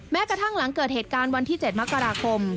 แม้กระทั่งหลังเกิดเหตุการณ์วันที่๗มกราคม